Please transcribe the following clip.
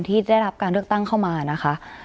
ที่ได้รับการเลือกตั้งเข้ามานะคะ